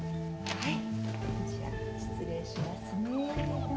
はい。